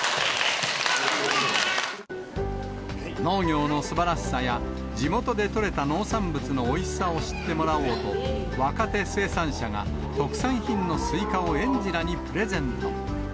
農業のすばらしさや、地元で取れた農産物のおいしさを知ってもらおうと、若手生産者が特産品のスイカを園児らにプレゼント。